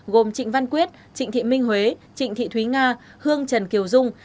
gồm trịnh văn quyết trịnh thị minh huế trịnh thị thúy nga hương trần kiều dung